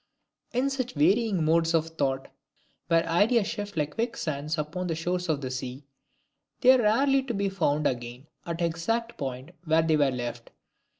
In such varying modes of thought, where ideas shift like quick sands upon the shores of the sea, they are rarely to be found again at the exact point where they were left.